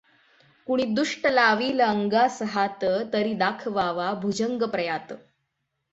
कुणी दुष्ट लावील अंगास हात, तरी दाखवावा भुजंगप्रयात.